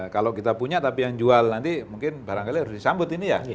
kalau kita punya tapi yang jual nanti mungkin barangkali harus disambut ini ya